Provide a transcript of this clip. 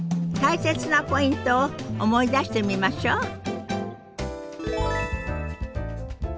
大切なポイントを思い出してみましょう。